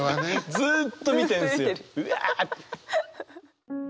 ずっと見てるんですよ。